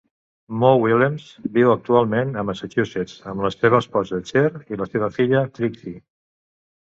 Mo Willems viu actualment a Massachusetts amb la seva esposa, Cher, i la seva filla, Trixie.